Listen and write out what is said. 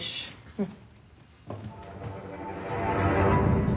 うん。